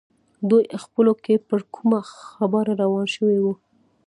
دوی خپلو کې پر کومه خبره وران شوي وو.